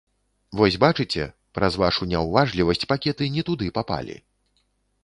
Вось бачыце, праз вашу няўважлівасць пакеты не туды папалі.